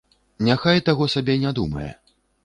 Няхай таго сабе не думае.